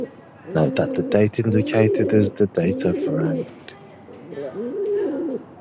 Note that the date indicated is the date of rank.